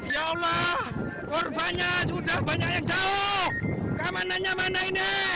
ya allah korbannya sudah banyak yang jauh